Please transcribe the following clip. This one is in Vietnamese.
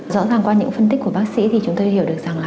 rõ ràng qua những phân tích của bác sĩ thì chúng tôi hiểu được rằng là